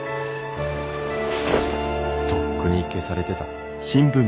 とっくに消されてた。